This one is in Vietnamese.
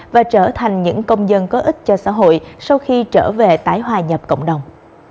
và trở thành những công dân có ích cho xã hội sau khi trở về tái hòa nhập cộng đồng